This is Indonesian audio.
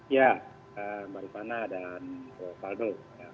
ya mbak rifana dan faldo